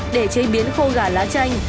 để chế biến khô gà lá chanh